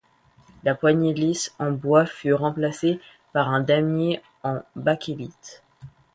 La poignée lisse en bois fut remplacée par un damier en bakélite.